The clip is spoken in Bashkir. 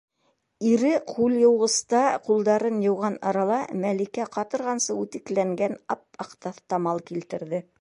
- Ире ҡулъйыуғыста ҡулдарын йыуған арала Мәликә ҡатырғансы үтекләнгән ап-аҡ таҫтамал килтерҙе.